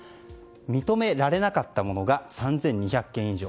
認められなかったものが３２００件以上。